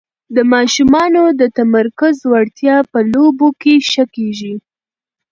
د ماشومانو د تمرکز وړتیا په لوبو کې ښه کېږي.